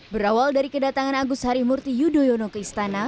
berawal dari kedatangan agus harimurti yudhoyono ke istana